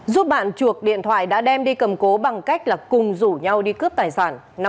giúp bạn chuộc điện thoại đã đem đi cầm cố bằng cách là cùng rủ nhau đi cướp tài sản